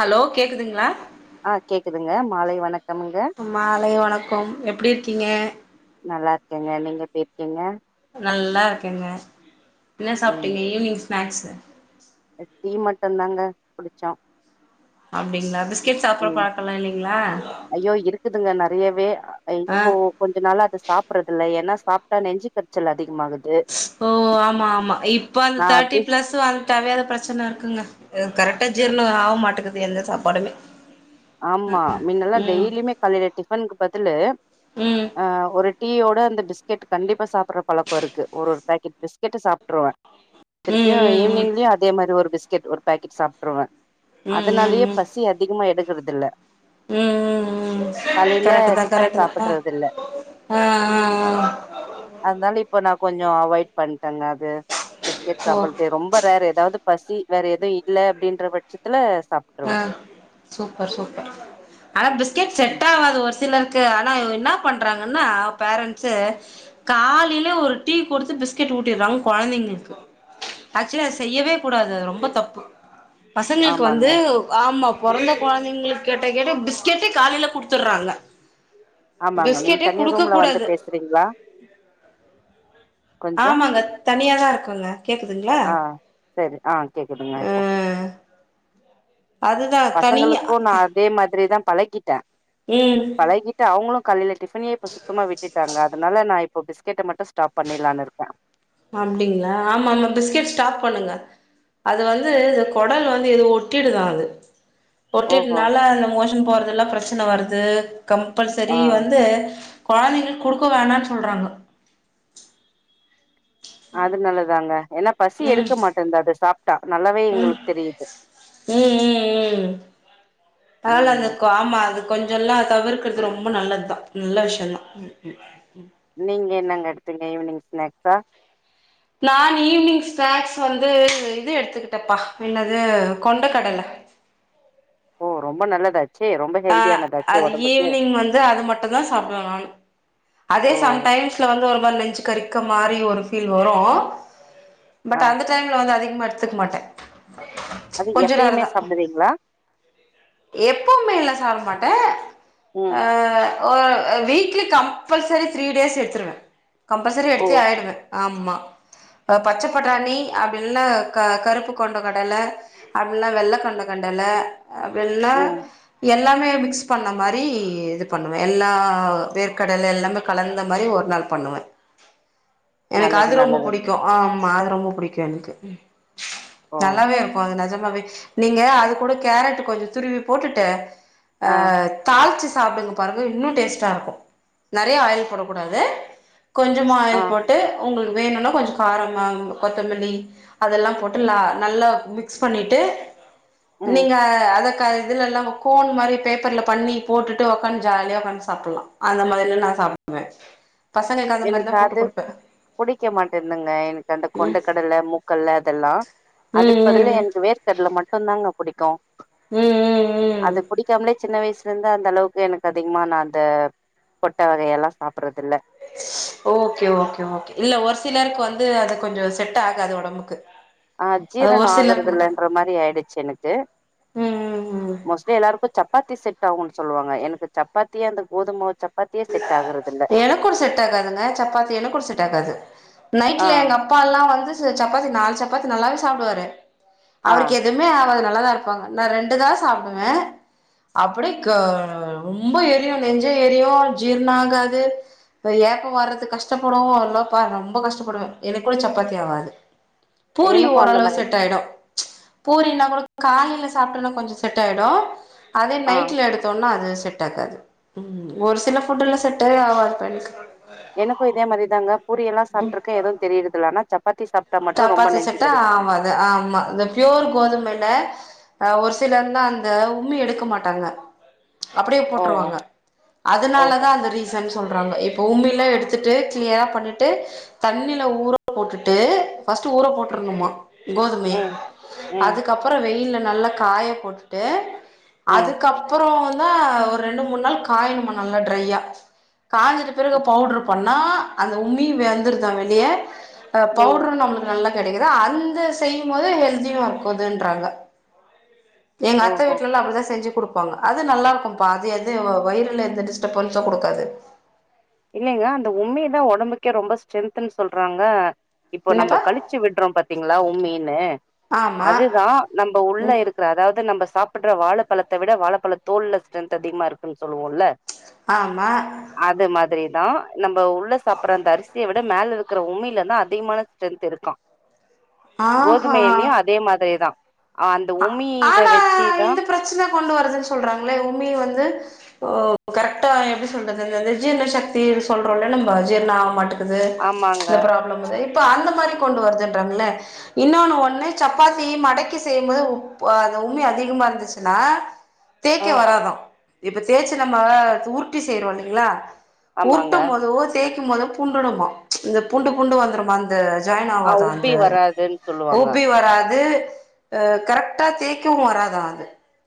Hello கேக்குதுங்களா ஆஹ் கேக்குதுங்க மாலை வணக் மாலை வணக் கம் எப்புடி இருக்கீங்க நல்லா இருக்கேங்க நீங்க எப்படி இருக்கீங்க நல்லா இருக்கேங்க என்ன சாப்ட்டீங்க ஈவினிங் ஸ்னாக்ஸ் டி மட்டு தாங்க குடிச்சோம் அப்படிங்களா பிஸ் ம் ஐயோ இருக்குதுங்க நறையவே ஆ இப்போ கொஞ்ச நாளா அது சாப்பறது இல்ல ஏன்னா சாப்ட்டா நெஞ்சு கரச்சல் அதிகம் ஓ ஆமா ஆமா இப்ப அந்த நா தேர்ட்டி அது பிளஸ் வந்துட்டாவே பிரச்சனை இருக்குங்க கரெக்டா ஜீர்ணம் ஆக மாட்டேக்கு அ எந்த சாப்பாடுமே ஆமா ம் மின்னெல்லாம் ம் டெய்லியுமே காலைல டிஃபனுக்கு பதிலு ம் ஒரு டீ அந்த பிஸ்கெட் கண்டிப்பா சாப்படுற பழக்கம் இருக்கு ஒரு பேக்கெட் பிஸ்கெட் சாப்ட்ருவேன் ம் திருப்பியும் ம் ஈவினிங்லயும் அதே மாதிரி ஒரு பிஸ் பிஸ்கட் ஒரு பாக்கெட் சாப்ட்ருவே ம் ம் ம் அதனாலயே ம் ம் பசி அதிகமா எடு எடுக்கறதுல ம் ம் ம் கரைட்டு தான் டிஃபன் கரைட்டு தான் ஆ சாப்புட்றது இல்ல ஆ ஆ ஆ கொஞ்சம் அவாய்ட் பண்ட்டங்க அது பிஸ்கெட் ஓகே சாப்பிடுறதே ரொம்ப ரேர் எதாவது பசி வேற எதுவும் இல்ல அப்படின்ற பட்சத்துல ஆ சாப்ட்ருவே சூப்பர் சூப்பர் ஆனா பிஸ்கெட் ம் செட் ஆகாது ஒரு சிலர் ஆனா என்ன பண்றாங்கன்னா பேரண்ட்ஸ் காலையிலயே ஒரு டீ கொடுத்து பிஸ்கட் ஊட்டிடுறாங்க குழந்தைங்களுக்கு ஆக்சுவலி அத செய்யவே கூடாது ரொம்ப தப்பு பசங்களுக்கு வந்து ஆமாங்க வந்து ஆமா பொறந்த குழந்தைங்களுக்கே கெட்ட கேடு பிஸ்கெட்டே காலையில குடுத்துறாங்க ஆமாங்க நீங்க தனியா ரூம்ல வந்து பேசுறீங்களா கொஞ்சோ ஆமாங்க தனியாதான் இருக்குங்க கேக்குதுங்களா ஆ சரி ஆ கேக்குதுங்க ஆ அதுதா தனியா பசங்களுக்கும் நான் அதே மாதிரிதான் பழக்கிட்ட ம் பழகிட்டு அவங்களும் காலைய்ல டிஃபனே இப்ப சுத்தமா விட்டுட்டாங்க அதனால நான் இப் இப்போ பிஸ்கெட்ட மட்டு ஸ்டாப் பண்ணிடலானுக் இருக்கே அப்பிடிங்களா ஆமா ஆமா பிஸ்கட் ஸ்டாப் பண்ணுங்க அது வந்து இந்த குடல் வந்து எது ஒட்டிடுதா அது ஓஹோ ஒட்டிட்டுனால அந்த மோஷன் போற அதெல்லா பிரச்சனை வருது ஆ கம்பல்சரி வந்து கொழந்தைங்களுக்கு குடுக்க வேணான்னு சொல்றாங்க அது நலாதாங்க ஏன்னா பசி எடுக்க மாட்டிந்து அத சாப் உம் [inaudible] உம் உம் உம் ம் அதனால க அது ஆமா கொஞ்சு லா தவிர்க்கறது ரொம்ப நல்லத்தா நல்ல விஷியம் தா நீங்க என்னங்க எடுத்துங்க ஈவினிங் ஸ்நாக்ஸா நான் ஈவினிங் ஸ்நாக்ஸ் வந்து இது எடுத்துக்கிட்டப்பா என்னது கொண்ட கடலஃ ஓ ரொம்ப நல்லதா ஆ அது ஈவினிங் வந்து அது மட்டுதா சாப்பிடுவே நானு அதே ஓ சம்டைம்ஸ்ல வந்து ஒரு ஒருமாரி நெஞ்சு கறிக்க மாரி ஒரு ஃபீல் வரு ஆ பட் அந்த டைம்ல வந்து அதிக [unintelligible] எடுத்துக்க மாட்டே அது கொஞ்சு நேரோ எப்பயுமே தா சாப்டுவீங்களா எப்பவுமே இல்ல வர மாட்டே ஆ ம் ஒ வீக்லி கம்பல்சரி த்ரீ டேஸ் எடுத்துடுவே கம்பல்சரி ஓ எடுத்தே ஆயிடுவே ஆமா பச்சே பட்டாணி அப்படின்ல்ல க கருப்பு கொண்ட கடல அப்படிஇல்லன வெள்ள கொண்ட கடல அபிடில்னா ம் எல்லாமே மிக்ஸ் பண்ண மாரி இது பண்ணுவே எல்லா வேர்க்கடல எல்லாமே கலந்த மாரி ஒரு நாள் பண்ணுவே எனக்கு நல்லது அது ரொம்ப நல்லது புடிக்கு ஆ மாது ரொம்ப புடிக்கு எனக்கு ஓ நல்லாவே இருக்கு அது நெஜோ [unintelligible] நீங்க அது கூட கேரட் கொஞ்ச துருவி போட்டுட்டு ஆ தாளிச்சு சாப்புடுங்க பாருங்க இன்னு டேஸ்ட்டா இருக்கு நெறையா ஆயில் போடக்கூடாது கொஞ்சமா ஆ ஆயில் போட்டு உங்களுக்கு வேணுனா கொஞ்சு காரம்மா கொத்தமல்லி அதெல்லா போட்டு ந நல்லா மிக்ஸ் பண்ணிட்டு ம் நீங்க அத க இதுலெல்லாமு கோன் மாரி பேப்பர்ல பண்ணி போட்டுட்டு உட்காந்து ஜாலியா உக்காந்து சாப்பலாம் அந்த மாரிலாம் நான் சாப்டுவேன் எனக்கு அது புடிக்க மாட்டந்துங்க எனக்கு அந்த கொண்ட கடலை மூக்கல்ல அதெல்லாம் ம் அதுக்கு பதில் ம் எனக்கு வேர்கடல மட்டுதாங்க புடிக்கும் ம் ம் ம் ம் அது புடிக்காமலே சின்ன வயசுலருந்து அந்த அளவுக்கு எனக்கு அதிகமா நான் அந்த பொட்ட வகையெல்லாம் சாப்பட்றதில்ல ஓகே ஓகே ஓகே இல்ல ஒரு சிலருக்கு வந்து அதை கொஞ்சம் செட் ஆகாது உடம்புக்கு ஆஹ் ஜீரணம் ஆகறதலலைன்ற மாதிரி ஆயிடுச்சு எனக்கு ம் ம் ம் மோஸ்ட்லி எல்லாருக்கும் சப் சப்பாத்தி செட் ஆகும்ன்னு சொல்லுவாங்க எனக்கு சப்பாத்திய அந்த கோதும் மாவு சப் எனக்கும் செட் ஆகாதுங்க சப்பாத்தி எனக்கு செட் ஆகாது ஆ நைட்ல எங்க அப்பால்லாம் வந்து சப்பாத்தி நாலு சப்பாத்தி நல்லாவே சாப்டுவாரு ஆ அவருக்கு எதுவுமே ஆவாது நல்லா தான் இருப்பாங்க நான் ரெண்டு தான் சாப்டுவேன் அப்டி க்கு ரொம்ப எரியும் நெஞ்சே எரியும் ஜீர்ணம் ஆகாது ஏப்பம் வர்றதுக்கு கஷ்டப்படுவோ எல்லாம் பா ரொம்ப கஷ்டப்படுவேன் எனக்கு கூட சப்பாத்தி ஆகாது பூரி எனக்கு அந்த ஓரளவு மாரிதா செட் ஆய்டும் ச் பூரினா கூட காலேல சாப்ட்டோனா கொஞ்சம் செட் ஆய்டும் அதே ஆ நைட்ல எடுத்தோனா அது செட் ஆக்காது ம் ஒரு சில ஃபுட்டெல்லாம் செட்டே ஆவாதுப்பா எனக்கு எனக்கும் இதே மாரிதாங்க பூரியெல்லாம் சாப்ட்றுக்கே எதும் தெரியிரதில்ல ஆனா சப் சப்பாத்தி செட்டா ஆமாங்க ஆமா இந்த ப்யோர் கோதுமைல ஆஹ் ஒரு சிலர்ந்தான் அந்த உம்மி எடுக்க மாட்டாங்க அப்டியே ஓ போட்ருவாங்க ஓ அதுனால தான் அந்த ரீசன் சொல்றாங்க எ உமியிலா எடுத்துட்டு கிளியரா பண்ணிட்டு தண்ணில ஊற போட்டுட்டு ஃபஸ்ட் ஊர போட்ரனுமா கோதுமைய ம் ம் அதுக்கப்புறம் வெயில்ல நல்லா காய போட்டுட்டு ம் அதுக்கப்புறம் வந் தா ஒரு ரெண்டு மூணு நாள் காயணுமா நல்லா ட்ரையா காஞ்சுது பிறகு பவுடர் பண் னா அந்த உம்மி வெந்துருந்தா வெளிய அஹ் ம் பவுட்ரு நம் நல்லா கிடைக்குதா அந்த செய்யும்போது ஹெல்தியும் இருக்குதுன்றாங்க எங்க அத்த ஓஹோ வீட்டுலலாம் அப்படிதா செஞ்சு கொடுப்ப ப்பாங்க அது நல்லா இருக்கும்ப்பா அது எதுவும் வயிறுல எந்த டிஸ்டர்பன்ஸும் கொடுக்காது இல்லைங்க அந்த உண்மையதான் உடம்புக்கு ரொம்ப ஸ்ட்ரெங்த்ன்னு சொல்றாங்க இப்போ நம்ம என்னப்பா கழிச்சு விடுறோம் பாத்தீங் இல்ல உ மீனு ஆமா அதுதா நம்ம உள்ள ம் இருக்கற அதாவது நம்ம சாப்பிடுற வாழ பழத்தை விட வாழப்பழ தோல் ஸ்ட்ரன்த் அதிகமா இருக்குன்னு சொல்லுவோம்ல்ல ஆமா இதா நம்ம உள்ள சாப்பிடற அந்த அரிசிய விட மேலக்கு இருக்கிற உமியிலதா அதிகமான ஸ்ட்ரென்த் இருக்க ஆஹா கோதுமைையிலயும் அதே மாதிரிதா ஆ அந்த உமி இத ஆனா வச்சுதா இந்த பிரச்சன கொண்டு வருதுன்னு சொல்றாங்களே உமி வந்து கரெக்டா எப்படி சொல்றது இந்த ஜீர்ண சக்தி சொல்றோம்ல்ல நம்ம ஜீர்ணம் ஆக மாட்டே இருது ஆமாங்க இந்த ப்ராப்ளம் இது அந்த மாதிரி கொண்டு வருதுன்றாங்கள இன்னொன்னு ஒண்ணு சப்பாத்திய மடக்கி செய் போ உ அந்த உண்மை அதிகமா இருந்துச்சுன்னா தேக்க ஆ வராத இப்ப தேசச்சு நம்ம உருட்டி செய்யறோம் இல்லைங்களா உ ஆமாங்க ஊட்டும் போது தே போதல் புண்டுடுமா இந்த புண்டு புண்டு வந்துமாந்த ஜாயின் ஆ ஆவது அந்த உப்பி வராதுன்னு சொல்லுவாங்க ஊபி வராது [unintelligible] அஹ் கரெக்டா தேய்க்கவும் வராதா அது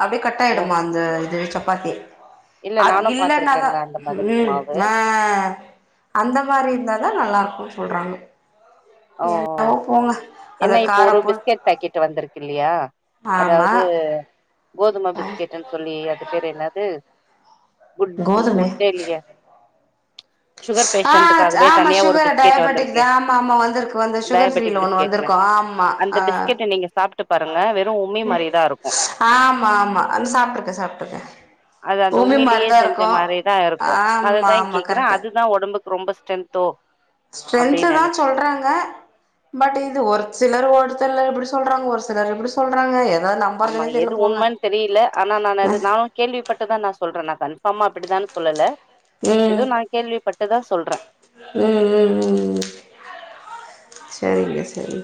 அப்படியே கட் ஆயிடுமா ஓஹோ அந்த இது பக்கி இல்ல அது நானு இல்ன்னாதா பாத்திருக்கேங்க அந்த மாதிரி உம் மாவு ஆஹ் அந்த மாதிரி இருந்தாதா நல்லா இருக்கும் சொல்றாங்க என்னமோ போங்க ஏன்ன அந்த இப்ப கார ஒரு போட் பிஸ்கட் பேக்கெட் வந்திருக்கு ஆமா அதாவது கோதுமை பிஸ்கெட்ன்னு சொல்லி அது பேரு என்னது குட் கோதுமை குட்டேலியே ஆ ஆமா தனியா ஒரு சுகர் பிஸ்கெட் டபட்டிக் தா வந்திருக்கே ஆமா ஆமா வந்திருக்கு வந்துரு சுகர் ஃபரீல டயபெட்டிக் ஒண்ணு பிஸ்கெட்னு வந்திரு ஆமா அந்த ஆ பிஸ்கெட்ட நீங்க சாப்ட்டு பாருங்க வெறு உம்மி மாரிதா இருக்கு ஆமா ஆமா அ சாப்பிட்டு இருக்கே சாப்பிட்டுருக்கே அது அந்த உமி உம்மிலயே மாரிதா செஞ்ச இருக்கு மாரிதா இருக்கு ஆமா அதுதா ஆமா கேக்குறே கரெக்ட்டு அதுதா ஒடம்புக்கு ரொம்ப ஸ்ட்ரென்தோ ஸ்ட்ரென்து தா சொல்றாங்க பட் இது ஒரு சிலர் ஒரு தர இப்பிடி சொல்றாங்க ஒரு சிலர் இப்பிடி சொல்றாங்க எத ஆமா நம்பறதுனே தெர்ல எது போங்க உண்மேன்னு தெரியல ஆனா நான் அது நானு கேள்விப்பட்டுத நா சொல்றே நா ஆமா அப்படிதான்னு சொல்லல எது நா கேள்வி பட்டுதா சொல்றே உம் உம் உம் உம் சரிங்க சரி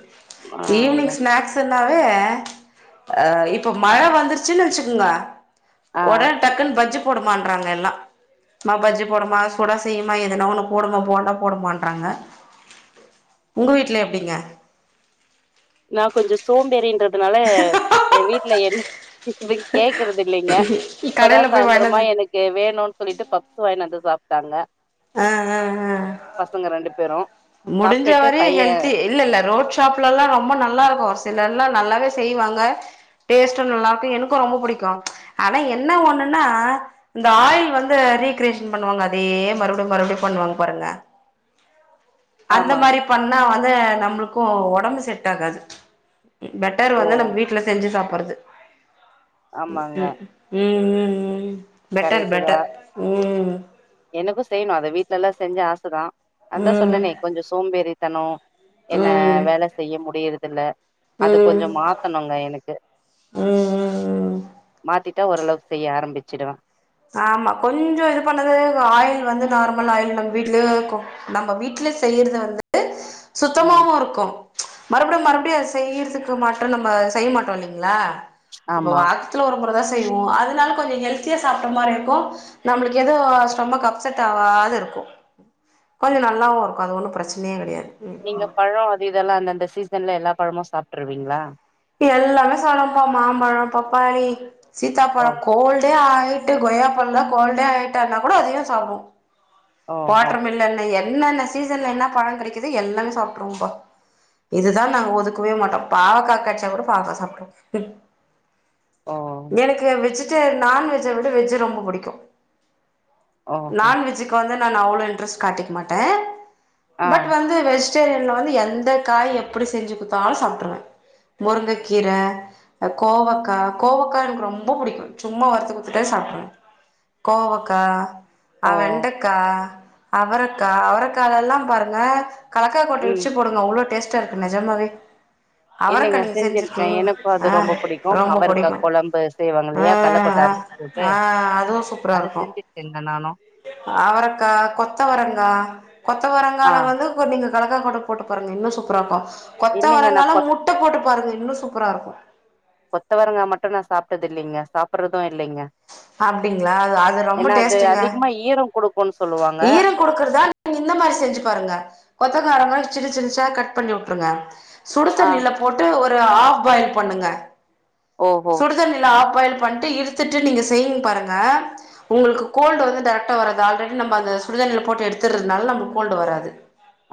ஆங்க ஈவினிங் ஸ்நாக்ஸ் என் வே ஆ இப்ப மழை வந்துருச்சுன்னு வச்சுக்கங்க ஆ ஒடனே டக்குன் பஜ்ஜுப் போடு மான்றாங்க எல்லா மா பஜ்ஜி போடுமா சூடா செய்யுமா எதுனா ஒண்ணு போடுமா போண்டா போடு மான்றாங்க உங்க வீட்டில எப்படிங்க நா கொஞ்சோ சோம்பறின்ற அதனால எ வீட் இல்ல என்ன இது கேக்குறது இல்லைங்க இப்பதா கடைல போய் வாங்கினு சாய்ந்தரமா வந்து எனக்கு வேணுனு சொல்லிட்டு பப்ஸ் வாங்கின வந்து சாப்டாங்க ஆ ஆ ஆ பசங்க ரெண்டு பேரு முடிஞ்ச சாப்ட்டுட்டு வரே பைய ஹெல்தி இல்ல இல்ல ரோட் ஷாப்லலா ரொம்ப நல்லாருக்கு சிலர்ல்லா நல்லாவே செய்வாங்க டேஸ்ட்டு நல்லாருக்கு எனக்கு ரொம்ப புடிக்கு ஆனா என்ன ஒண்ணுன்னா இந்த ஆயில் வந்து ரீக்ரியேஷன் பண்ணுவாங்க அதே மறுபடியு மறுபடியு பண்ணுவாங்க பாருங்க அந்த ஆமா மாரி பண்ணா வந் அத நம்மளுக்கு ஒடம்பு செட் ஆகாது பெட்டர் ஓ வந்து நம் வீட்டுல செஞ்சு சாப் வருது உ உம் உம் உம் கரைட்டுதா எனக்கு செய்யணு அத வீட்லலா செஞ்சு ஆசை ரா நா தா ம் சொன்னேனே கொஞ்சு சோம்பேறின் தனும் என்ன ம் வேல செய்ய முடியறதுல ம் அத கொஞ்சோ ம் மாத்தணுங்க எனக்கு ம் ம் மாத்தி ஓரளவு செய்ய ஆரம்பிச்சுடுவேன் ஆமா கொஞ்சோ இது பண்ணது ஆயில் வந்து நார்மலா ஆயில் நம்ம வீட்லயே இருக்கு நம்ம வீட்லயே செய்யறது வந்துட் ம். சுத்தமாவும் இருக்கும் மறுபடியும் மறுபடியும் செய்யறதுக்கு மாட்டும் நம்ம செய்ய மாட்டோம் இல்லலைங்களா இப்ப ஆமா. வாக்கத்துல ஒரு முறை தான் செய்வோம் அதனால கொஞ்சம் ஹெல்த்யா ஸ் சாப்ட்ட மாரி இருக்கும் நம்மளுக்கு எதவும் ஸ்டொமக் அப்செட் ஆகாது இருக்கும் கொஞ்சம் நல்லாவும் இருக்கும் அது ஒண்ணும் பிரச்சனையே கிடையாது நீங்க பழம் அது இதெல்லாம் அந்தந்த சீசன்ல எல்லா பழமும் சாப்ட்டுருவீங்களா எல்லாமே சாப்டம்ப்பா மாம்பழம் பப்பாளி ஓ. சீத்தாப்பழம் கோல்டே ஆ நைட்டு கொயாப்ப கோல்டே ஆயிட்டனா கூட அதுவும் சாப்டுவோம் ஓஹோ! வாடெர்மிலன் என் என்னென்ன சீசன்ல என்ன பழம் கிடைக்குது எல்லாமே சாப்பிட்ரூவோம்ப இதுதான் நாங்க ஒதுக்கவே மாட்டோம் பாவக்கா கடச்சா கூட பாவாக்கா சாப்ட்ரூவோம் ஓ. எனக்கு விச நான்வெஜ்ஜை விட வெஜ்ஜ் ரொம்ப பிடிக்கும் ஓஹோ! நான்வெஜ் க்கு வந்து நான் அவ்ளவு இன்ட்ரெஸ்ட் காட்டிக்க மாட்டேன் ஆ. பட் வந்து வெஜ் விஜேட்ரியன்ல வந்து எந்த காய் எப்படி செஞ்சு குடுத்தாலும் சாப்ட்ரூவேன் முருங்கைக்கீரை கோவக்காய் கோவக்காய் எனக்கு ரொம்ப பிடிக்கும் சும்மா வரத்து குத்துட்டே சாப்ட்ருவேன் கோவக்காய் அவ ஓ. வெண்ட ஆ அவரைக்கா அவரைக்க எல்லாம் பாருங்க கலக்காகொட்டை ம். இடிச்சு போடுங்க அவ்ளோ டேஸ்ட் டேஸ்ட் ஆ இருக்கும் நெஜமாவே இல்லைங்க அவரக்கா நீங்க செஞ்சிருக்கேன் செஞ்சிருக்கீங்களா எனக்கும் அது ஆ ரொம்ப பிடிக்கும் ரொம்ப அவரக்கா புடிக்கு குழம்பு செய்வாங்க ஆ இல்லையா கல்ல கொட்டை ஆ அரைச்சு போட்டு ஆ அதுவு அதை செஞ்சிருக்கேங்க நானும் அவரைக்கா கொத்தவரங்கா ஆ. கொத்தவரங்கால வந்து கொ ங்க கலக்கா கொட்டை போட்டு பாருங்க இன்னும் சூப்பரா இருக்கும் கொத்த இல்லைங்க நா வரங்கால கொத் முட்டை போட்டு பாருங்க இன்னும் சூப்பரா இருக்கும் விட்டது இல்லைங்க சாப்பிடடுறதும் இல்லைங்க அப்படிங்களா அது ரொம்ப ஏன்னா அது டேஸ்ட்ங்க அதிகமா ஈரம் குடுக்குன் சொல்லுவாங்க ஈரம் கொடுக்கறதா நீங்க இந்த மாதிரி செஞ்சு பாருங்க கொத்தகாரங்க சிறு சிறுச்சா கட் பண்ணி விட்ருங்க ஆ சுடுதண்ணில போட்டு ஒரு ஹாஃப் பாயில் பண்ணுங்க ஓஹோ சுடுதண்ணில்லா அஃப் பாயில் பண்ணிட்டு இறுத்துட்டு நீங்க தைன் பாருங்க உங்ளுக்கு கோல்டு வந்து டெரெக்டா வராது ஆல்ரெடி நம்ப அந்த சுடுதண்ணியில போட்டு எடுத்துதுனால நமக்கு கோல்டு வராது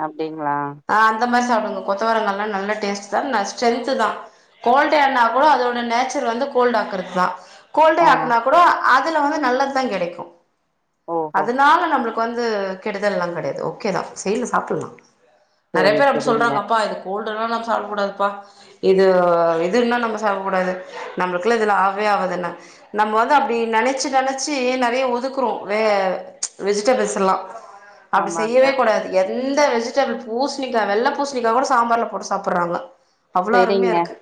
அப்டிங்களா ஆ அந்த மாரி கொத்தவரங்கால்லா நல்ல டேஸ்ட் தா ந ஸ்ரென்த் தா கோல்டே ஆன கூட அதோட நேச்சர் வந்து கோல்டாக்குறதுதா கோல்டே ஓ ஆக்குனா கூட அதுல வந்து நல்லதுதா கெடைக்கு ஓஹோ அதனால நம்பளுக் வந்து கெடுதல்லா கெடையாது ஓகே தா செய்லா சாப்புட்லா நெறைய செரி பேர் அப்டி செரிங்க சொல்றாங்க அப்பா இது கோல்டு சாப்புட்றதுலா நா சாப்டகூடாதுப்பா இது இது இன்னு நம்ப சாப்டகூடாது நம்ளுக்குலா இதுலா ஆவவே ஆவாது என்ன நம்ம வந்து அப்டி நெனச்சி நெனச்சி நெறைய ஒதுக்குறோ வெ வெஜிடபிள்ஸ் எல்லா அப்டி ஆமாங்க செய்யவே கூடாது எ எந்த வெஜிடபிள் பூஸ்ணிக்கா வெள்ள பூஸ்ணிக்கா கூட சாம்பார்ல போட்டு சாப்புட்றாங்க அவ்ளோ அருமையா செரிங்க இருக்கு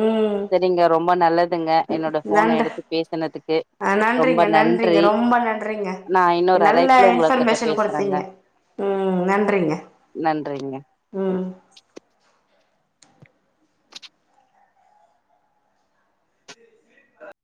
ம் செரிங்க ரொம்ப நல்லதுங்க என்னோட போன எடுத்து பேசனதுக்கு அ நன்றிங்க நன்றிங்க ரொம்ப நன்றிங்க நா இன்னொரு நல்ல அழைப்புல உங்க கிட்ட இன்பர்மேஷன் பேசுறேங்க கொடுத்தீங்க உம் நன்றிங்க நன்றிங்க உம்